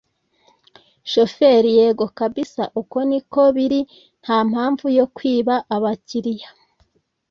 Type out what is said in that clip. shoferi yego kabsa, uko niko biri ntampamvu yo kwiba abakiriya